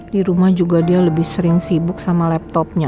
di rumah juga dia lebih sering sibuk sama laptopnya